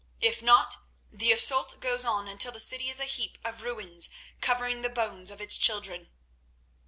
If not, the assault goes on until the city is a heap of ruins covering the bones of its children."